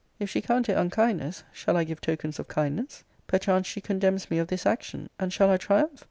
If she count it unkindness, shall I give tokens of kindness? Perchance she condemns me of this action, and shall I tritunph?